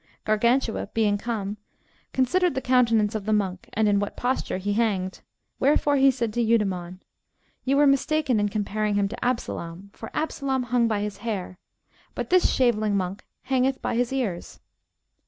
Gargantua, being come, considered the countenance of the monk, and in what posture he hanged; wherefore he said to Eudemon, You were mistaken in comparing him to Absalom; for Absalom hung by his hair, but this shaveling monk hangeth by the ears.